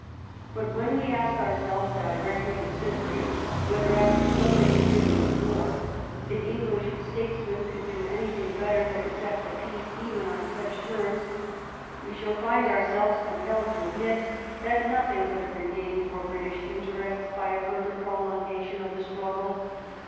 But when we ask our selves directly and simply whether, after so many years of war, the English statesmen could do anything better than accept a peace even on such terms, we shall find ourselves compelled to admit that nothing could have been gained for British interests by a further prolongation of the struggle.